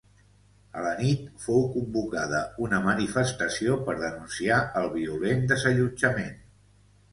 A la nit, fou convocada una manifestació per denunciar el violent desallotjament.